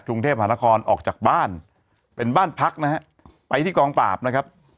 กรุงเทพหานครออกจากบ้านเป็นบ้านพักนะฮะไปที่กองปราบนะครับ